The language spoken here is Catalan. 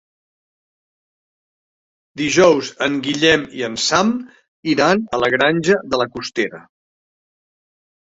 Dijous en Guillem i en Sam iran a la Granja de la Costera.